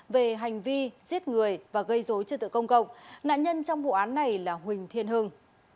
về hành vi giết người và gây dối trật tự công cộng nạn nhân trong vụ án này là huỳnh thiên hưng